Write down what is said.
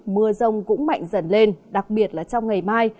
mưa rông cũng mạnh dần lên đặc biệt là trong ngày mai